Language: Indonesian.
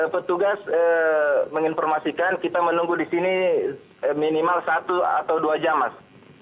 petugas menginformasikan kita menunggu di sini minimal satu atau dua jam mas